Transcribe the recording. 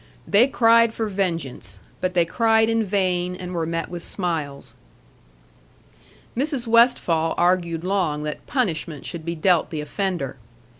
They cried for vengeance; but they cried in vain, and were met with smiles. Mrs. Westfall argued long that punishment should be dealt the offender.